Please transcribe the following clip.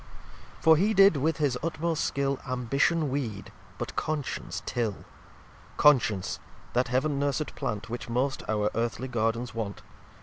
xlv For he did, with his utmost Skill, Ambition weed, but Conscience till. Conscience, that Heaven nursed Plant, Which most our Earthly Gardens want.